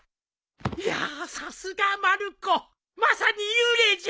いやさすがまる子まさに幽霊じゃ。